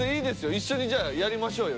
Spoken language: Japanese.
一緒にやりましょうよ。